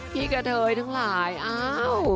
พี่กะเทยทั้งหลายอ้าว